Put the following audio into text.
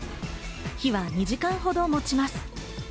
火は２時間ほどもちます。